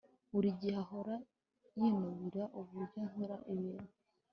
buri gihe ahora yinubira uburyo nkora ibintu